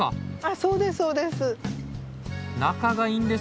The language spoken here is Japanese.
そうですそうです。